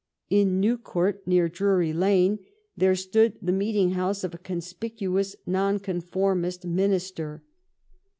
In New Court, near Drury Lane, there stood the meeting house of a conspicuous nonconformist minister.